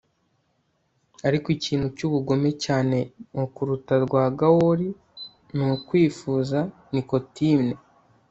Ariko ikintu cyubugome cyane murukuta rwa gaol ni kwifuza nikotine